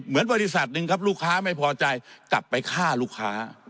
บริษัทหนึ่งครับลูกค้าไม่พอใจกลับไปฆ่าลูกค้า